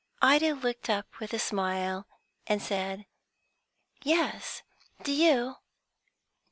Ida looked up with a smile and said, "Yes; do you?"